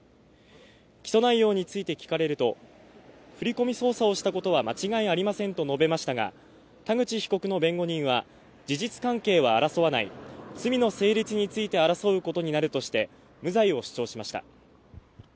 起訴内容について聞かれると振込操作をしたことは間違いありませんと述べましたが田口被告の弁護人は、事実関係は争わない、罪の成立について争うことになるとして、無罪を主張しました。